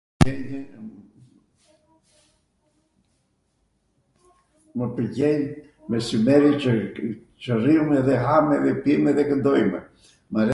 Mw pwlqen mesimeri qw rrim edhe ham edhe pim edhe kwndojmw